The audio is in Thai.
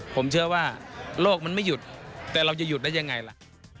ผมเชื่อว่าโลกมันไม่หยุดแต่เราจะหยุดได้ยังไงล่ะ